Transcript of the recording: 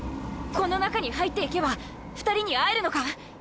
この中に入って行けば２人に会えるのか？